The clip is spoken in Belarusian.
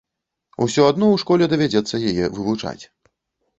Усё адно ў школе давядзецца яе вывучаць!